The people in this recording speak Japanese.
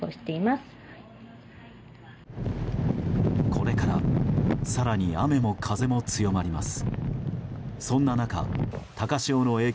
これから更に雨も風も強まります。